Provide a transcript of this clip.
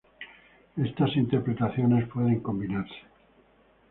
Estas interpretaciones pueden combinarse.